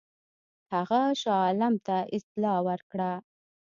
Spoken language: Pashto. هغه شاه عالم ته اطلاع ورکړه.